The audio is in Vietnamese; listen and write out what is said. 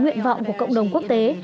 nguyện vọng của cộng đồng quốc tế